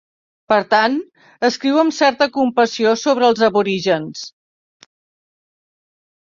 Per tant, escriu amb certa compassió sobre els aborígens.